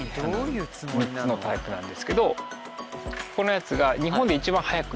３つのタイプなんですけど。